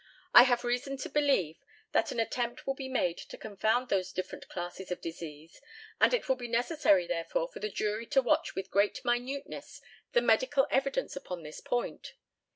I have reason to believe that an attempt will be made to confound those different classes of disease, and it will be necessary therefore for the jury to watch with great minuteness the medical evidence upon this point.